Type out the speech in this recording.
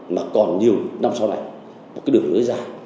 mà còn nhiều năm sau này một cái đường nối dài